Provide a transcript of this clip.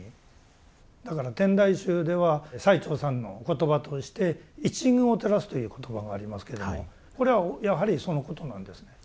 だから天台宗では最澄さんのお言葉として「一隅を照らす」という言葉がありますけれどもこれはやはりそのことなんですね。